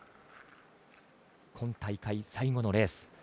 今大会最後のレース。